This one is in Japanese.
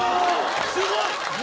すごい。